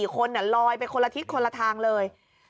๔คนลอยไปคนละทิศคนละทางเลย